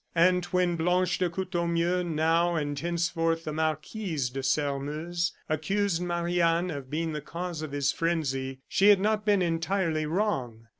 And when Blanche de Courtornieu, now and henceforth the Marquise de Sairmeuse, accused Marie Anne of being the cause of his frenzy, she had not been entirely wrong.